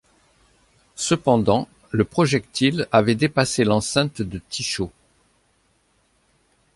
Cependant, le projectile avait dépassé l’enceinte de Tycho.